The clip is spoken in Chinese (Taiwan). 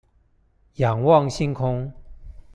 仰望星空